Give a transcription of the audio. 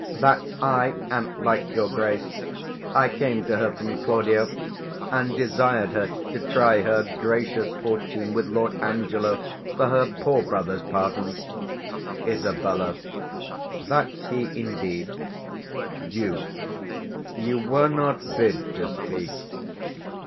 _ That's I, an't like your Grace: I came to her from Claudio, and desired her 75 To try her gracious fortune with Lord Angelo For her poor brother's pardon. Isab. That's he indeed. Duke. You were not bid to speak.